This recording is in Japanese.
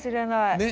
ねえ。